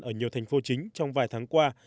ở nhiều thành phố chính trong vài tháng qua